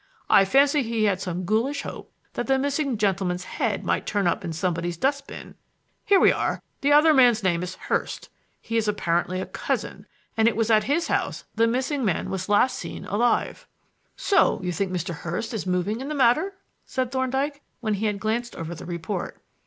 I fancy he had some ghoulish hope that the missing gentleman's head might turn up in somebody's dust bin. Here we are; the other man's name is Hurst. He is apparently a cousin, and it was at his house the missing man was last seen alive." "So you think Mr. Hurst is moving in the matter?" said Thorndyke, when he had glanced over the report.